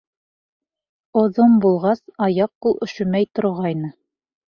Оҙон булғас, аяҡ-ҡул өшөмәй торғайны.